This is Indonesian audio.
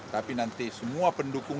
tapi nanti semua pendukung